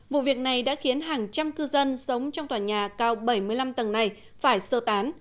vụ việc này đã khiến hàng trăm cư dân sống trong tòa nhà cao bảy mươi năm tầng này phải sơ tán